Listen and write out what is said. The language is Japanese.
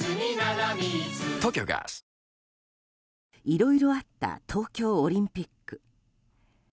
いろいろあった東京オリンピック。